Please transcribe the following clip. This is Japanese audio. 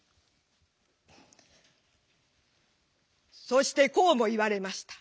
「そしてこうも言われました。